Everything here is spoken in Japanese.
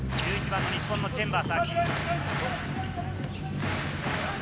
１１番、日本のチェンバース・アキ。